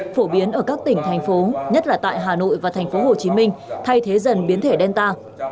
phổ biến ở các tỉnh thành phố nhất là tại hà nội và thành phố hồ chí minh thay thế dần biến thể delta